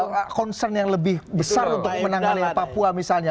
ada nggak concern yang lebih besar untuk menanggalin papua misalnya